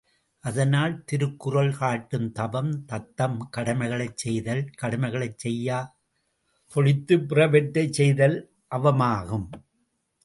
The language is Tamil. அதனால், திருக்குறள் காட்டும் தவம் தத்தம் கடமைகளைச் செய்தல் கடமைகளைச் செய்யா தொழித்துப் பிறவற்றைச் செய்தல் அவமாகும்.